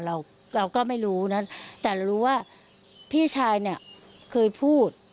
เราก็ไม่รู้นะแต่เรารู้ว่าพี่ชายเนี่ยเคยพูด